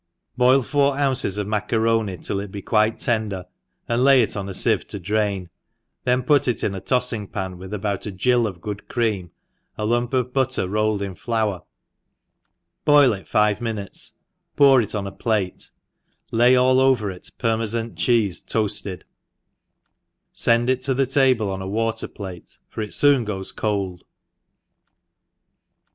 BOIL four ounces of maccaroni till it be quite tendeti and lay it on a iieve to drain, then put it in a toiBng pan, with about a grll of good cream, a lump of butter rolled in flour^ boil it five minutes, p^ur it en a plate, lay all over it Parmefan cheefe toafled : fend it to table on a water plate for it foon goes cold.